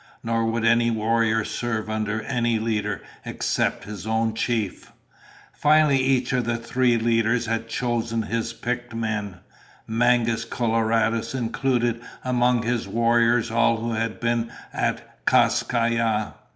Nor would any warrior serve under any leader except his own chief. Finally each of the three leaders had chosen his picked men. Mangus Coloradus included among his warriors all who had been at Kas Kai Ya.